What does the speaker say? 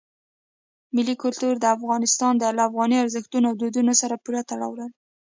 ملي کلتور د افغانستان له افغاني ارزښتونو او دودونو سره پوره تړاو لري.